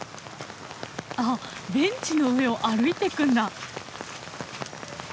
あっベンチの上を歩いてくんだ。